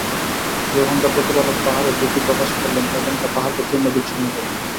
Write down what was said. যখন তার প্রতিপালক পাহাড়ে জ্যোতি প্রকাশ করলেন, তখন তা পাহাড়কে চূর্ণ-বিচূর্ণ করল।